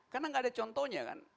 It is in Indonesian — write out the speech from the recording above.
karena gak ada contohnya kan